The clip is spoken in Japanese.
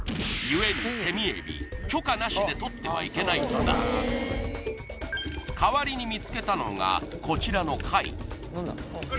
故にセミエビ許可なしでとってはいけないのだ代わりに見つけたのがこちらの貝